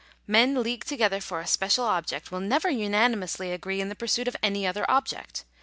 Men leagued together for a special object will never unanimously agree in the pursuit of any other ob ject.